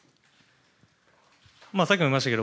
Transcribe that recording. さっきも言いましたけど